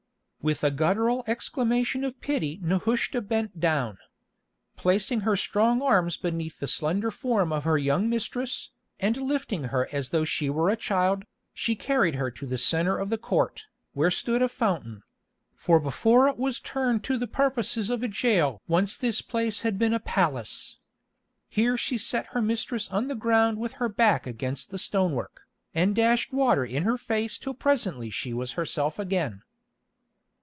With a guttural exclamation of pity Nehushta bent down. Placing her strong arms beneath the slender form of her young mistress, and lifting her as though she were a child, she carried her to the centre of the court, where stood a fountain; for before it was turned to the purposes of a jail once this place had been a palace. Here she set her mistress on the ground with her back against the stonework, and dashed water in her face till presently she was herself again.